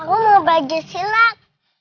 aku mau bagi silat